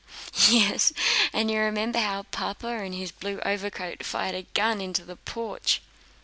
"Yes, and you remember how Papa in his blue overcoat fired a gun in the porch?"